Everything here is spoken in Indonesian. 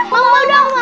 mau mau dong mau